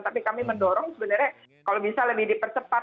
tapi kami mendorong sebenarnya kalau bisa lebih dipercepat